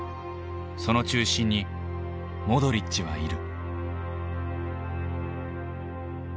その中心にモドリッチはいる。